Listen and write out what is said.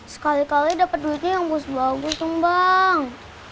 sekali kali dapet duitnya yang bagus bagus dong bang